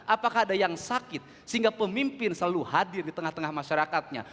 apakah ada yang sakit sehingga pemimpin selalu hadir di tengah tengah masyarakatnya